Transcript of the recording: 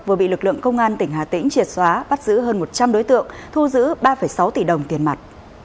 vừa bị lực lượng công an tỉnh hà tĩnh triệt xóa bắt giữ hơn một trăm linh đối tượng thu giữ ba sáu tỷ đồng tiền mặt